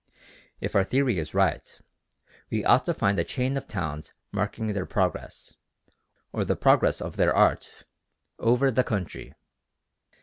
If our theory is right, we ought to find a chain of towns marking their progress, or the progress of their art, over the country.